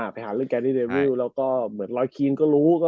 ไปหาเรื่องแกนที่เดวิลแล้วก็เหมือนรอยคีนก็รู้